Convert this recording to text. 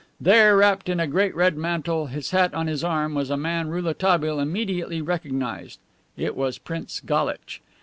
There, wrapped in a great red mantle, his hat on his arm, was a man Rouletabille immediately recognized. It was Prince Galitch.